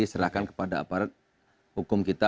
serahkan kepada aparat hukum kita